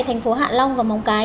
thành phố hạ long và móng cái